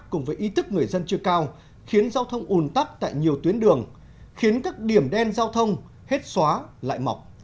cùng với ý thức người dân chưa cao khiến giao thông ủn tắc tại nhiều tuyến đường khiến các điểm đen giao thông hết xóa lại mọc